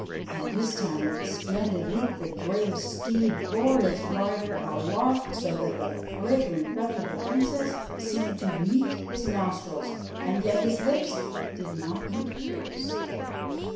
And this time, with a splendid leap, the brave steed bore its rider aloft so that the fragrant breath of the Princess seemed to meet his nostrils, and yet his lips did not meet hers.